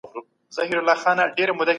که ته راسي نو موږ به یو ځای کار وکړو.